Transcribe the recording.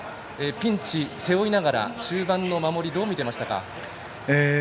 ピンチを背負いながら中盤の守りどう見ていましたか？